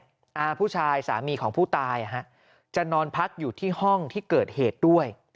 คุณอาผู้ชายสามีของผู้ตายจะนอนพักอยู่ที่ห้องที่เกิดเหตุด้วย